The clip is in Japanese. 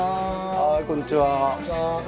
はいこんにちは。